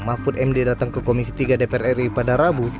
mahfud md datang ke komisi tiga dpr ri pada rabu